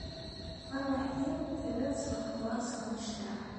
Tarwiḥt-iw terra-d s lexber s wannect-a.